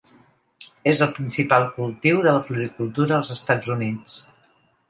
És el principal cultiu de la floricultura als Estats Units.